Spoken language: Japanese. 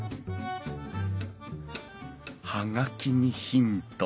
葉書にヒント。